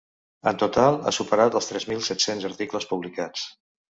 En total ha superat els tres mil set-cents articles publicats.